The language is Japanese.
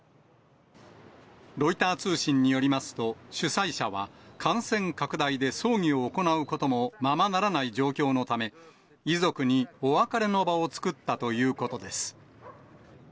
ロイター通信によりますと、主催者は感染拡大で葬儀を行うこともままならない状況のため、遺族にお別れの場を作ったということです。